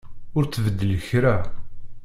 Ur ttbeddil kra.